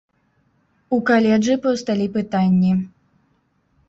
У каледжы паўсталі пытанні.